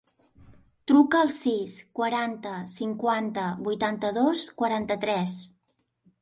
Truca al sis, quaranta, cinquanta, vuitanta-dos, quaranta-tres.